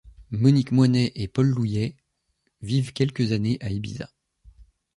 Monique Moinet et Paul Louyet vivent quelques années à Ibiza.